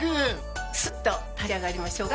スッと立ち上がりましょうか。